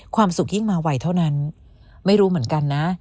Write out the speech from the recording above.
ความสุขยิ่งมาไวเท่านั้นไม่รู้เหมือนกันนะ